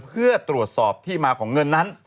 เพื่อตรวจสอบที่มาของเงินนั้น